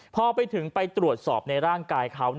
พอไปถึงไปตรวจสอบในร่างกายเขา